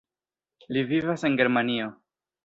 Li vivas en Germanio.